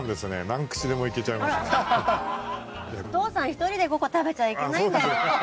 お父さん１人で５個食べちゃいけないんだよ。